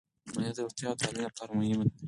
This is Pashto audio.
مالیه د روغتیا او تعلیم لپاره مهمه ده.